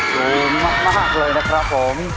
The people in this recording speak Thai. สูงมากเลยนะครับผม